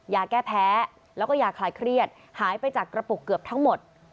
ยาแก้แพ้แล้วก็ยาคลายเครียดหายไปจากกระปุกเกือบทั้งหมด